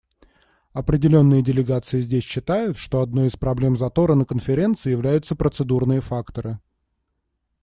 Определенные делегации здесь считают, что одной из проблем затора на Конференции являются процедурные факторы.